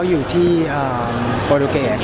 สาเหตุหลักคืออะไรหรอครับผมว่าเราก็ไม่คอมิวนิเคทกัน